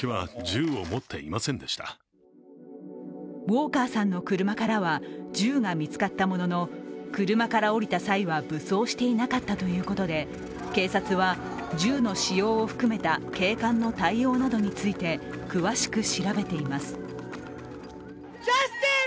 ウォーカーさんの車からは銃が見つかったものの、車から降りた際は武装していなかったということで、警察は銃の使用を含めた警官の対応などについて詳しく調べています。